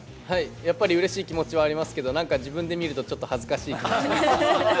やっぱりうれしい気持ちはありますけど、なんか自分で見ると、ちょっと恥ずかしい気持ちです。